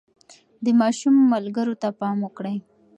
د ماشوم ملګرو ته پام وکړئ.